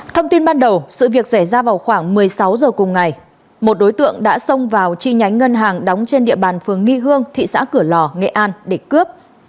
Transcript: thông tin ban đầu sự việc xảy ra vào khoảng một mươi sáu h cùng ngày một đối tượng đã xông vào chi nhánh ngân hàng đóng trên địa bàn phường nghi hương thị xã cửa lò nghệ an để cướp